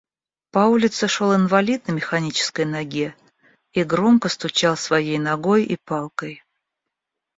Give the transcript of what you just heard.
По улице шел инвалид на механической ноге и громко стучал своей ногой и палкой.